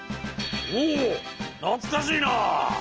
おおなつかしいなあ。